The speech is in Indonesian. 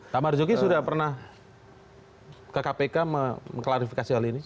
pak marzuki sudah pernah ke kpk mengklarifikasi hal ini